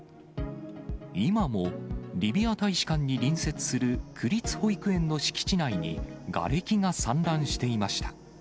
今もリビア大使館に隣接する区立保育園の敷地内にがれきが散乱していました。